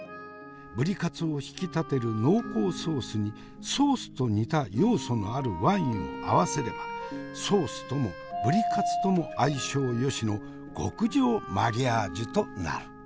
ぶりカツを引き立てる濃厚ソースにソースと似た要素のあるワインを合わせればソースともぶりカツとも相性よしの極上マリアージュとなる。